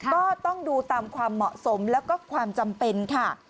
ก็ต้องดูตามความเหมาะสมแล้วก็ความจำเป็นค่ะ